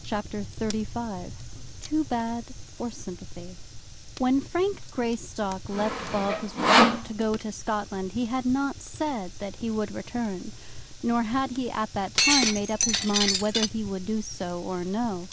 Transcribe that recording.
CHAPTER XXXV Too Bad for Sympathy When Frank Greystock left Bobsborough to go to Scotland, he had not said that he would return, nor had he at that time made up his mind whether he would do so or no.